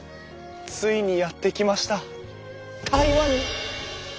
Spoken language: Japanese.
ついにやって来ました台湾に！